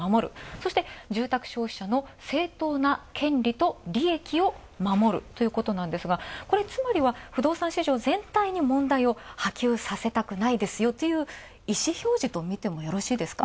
そして住宅消費者の正当な権利と利益を守るということなんですがこれつまりは、問題を波及させたくないですと意思表示とみていいですか。